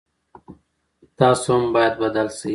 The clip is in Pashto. تاسو هم باید بدل شئ.